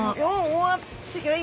おわっすギョい！